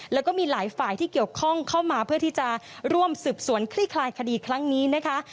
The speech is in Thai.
แล้วก็มีหลายฝ่ายที่เกี่ยวข้องเข้ามาเพื่อที่จะร่วมสืบสวนคลี่คลายคดีครั้งนี้นะคะ